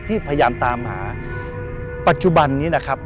พยายามตามหาปัจจุบันนี้นะครับ